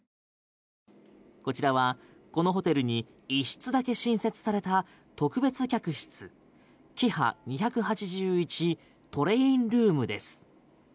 こちらはこのホテルに一室だけ新設された特別客室キハ２８１トレインルームです。